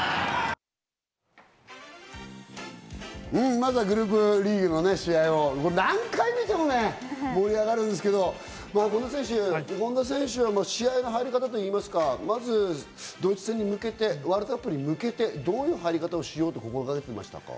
まずはグループリーグの試合を、何回見ても盛り上がりますけど、権田選手、試合の入り方といいますか、まずドイツ戦に向けて、ワールドカップに向けて、どういう入り方をしようと考えていましたか？